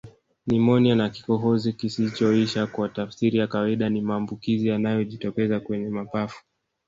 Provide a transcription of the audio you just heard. Nimonia na kikohozi kisichoisha kwa tafsiri ya kawaida ni maambukizi yanayojitokeza kwenye mapafu